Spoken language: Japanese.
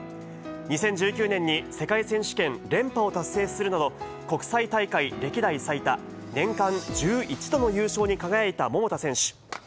２０１９年に世界選手権連覇を達成するなど、国際大会歴代最多、年間１１度の優勝に輝いた桃田選手。